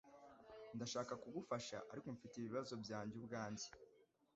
Ndashaka kugufasha ariko mfite ibibazo byanjye ubwanjye